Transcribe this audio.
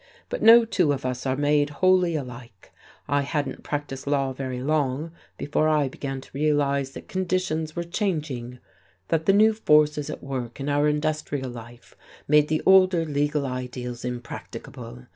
But no two of us are made wholly alike. I hadn't practised law very long before I began to realize that conditions were changing, that the new forces at work in our industrial life made the older legal ideals impracticable.